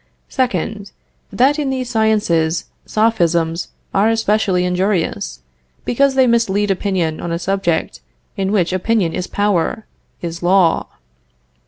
2d. That in these sciences Sophisms are especially injurious, because they mislead opinion on a subject in which opinion is power is law.